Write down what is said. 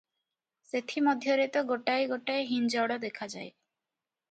ସେଥି ମଧ୍ୟରେ ତ ଗୋଟାଏ ଗୋଟାଏ ହିଞ୍ଜଳ ଦେଖାଯାଏ ।